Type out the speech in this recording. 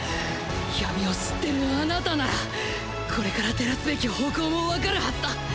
闇を知ってるあなたならこれから照らすべき方向もわかるハズだ。